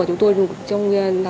trong những nội dung